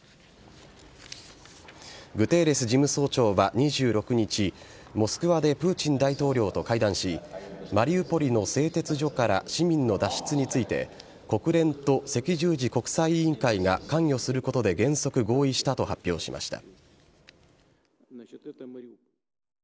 グテーレス事務総長は２６日モスクワでプーチン大統領と会談しマリウポリの製鉄所から市民の脱出について国連と赤十字国際委員会が関与することで原則合意したと発表しました。